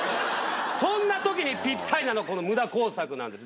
そんな時にぴったりなのがこのムダ工作なんです。